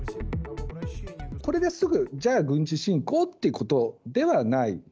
これですぐ、じゃあ、軍事侵攻っていうことではない。